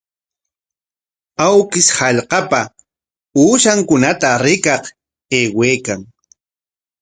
Awkish hallqapa uushankunata rikaq aywaykan.